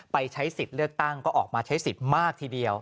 ไปใช้สิทธิ์เลือกตั้งก็ออกมาใช้สิทธิ์มากทีเดียว